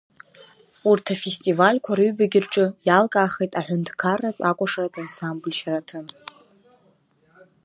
Урҭ афестивальқәа рыҩбагьы рҿы иалкаахеит Аҳәынҭқарратә акәашаратә ансамбль Шьараҭын.